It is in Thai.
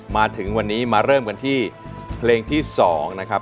มาถึงวันนี้มาเริ่มกันที่เพลงที่๒นะครับ